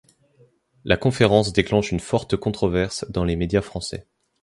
La conférence déclenche une forte controverse dans les médias français.